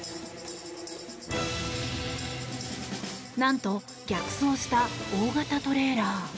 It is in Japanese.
なんと逆走した大型トレーラー。